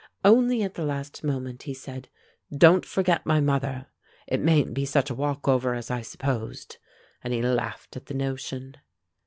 Only at the last moment he said, "Don't forget my mother. It mayn't be such a walk over as I supposed," and he laughed at the notion.